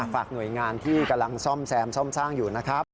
ฝากหน่วยงานที่กำลังซ่อมแซมซ่อมสร้างอยู่นะครับ